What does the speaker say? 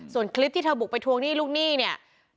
ส่วนคลิปที่เธอบุกไปทวงหนี้ลูกหนี้เนี่ย